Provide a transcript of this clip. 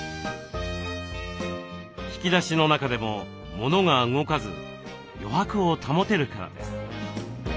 引き出しの中でもモノが動かず余白を保てるからです。